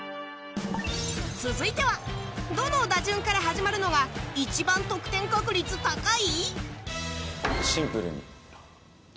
続いてはどの打順から始まるのが一番得点確率が高い？